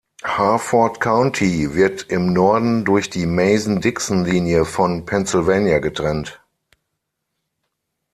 Harford County wird im Norden durch die Mason-Dixon-Linie von Pennsylvania getrennt.